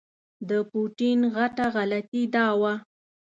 د پوټین غټه غلطي همدا ده.